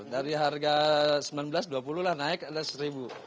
dari harga rp sembilan belas rp dua puluh lah naik rp sebelas